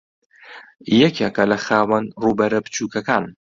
یەکێکە لە خاوەن ڕووبەرە بچووکەکان